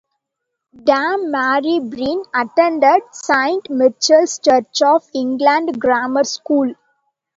Dame Marie Breen attended Saint Michael's Church of England Grammar School.